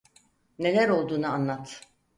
Neler olduğunu anlat.